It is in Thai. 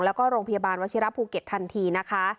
แล้วก็โรงพยาบาลวชิระภูเก็ตทันทีนะคะ